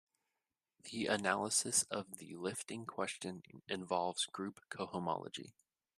The analysis of the lifting question involves group cohomology.